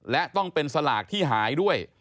และต้องเป็นสลากที่หายด้วย